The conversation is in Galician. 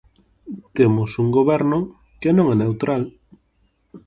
Temos un goberno que non é neutral.